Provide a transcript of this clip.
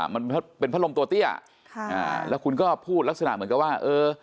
มันเป็นพัดลมตัวเตี้ยแล้วคุณก็พูดลักษณะเหมือนกับว่าเออ